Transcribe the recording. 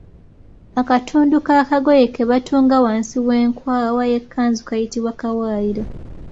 Akatundu k’akagoye ke batunga wansi w’enkwawa y’ekkanzu kayitibwa Kawaayiro.